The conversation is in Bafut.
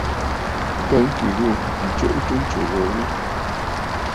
Kó ŋkì ghû ǹtsuʼutə ntsù gho gho.